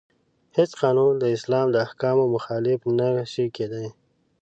هیڅ قانون د اسلام د احکامو مخالف نشي کیدای.